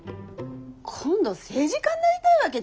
今度政治家になりたいわけ？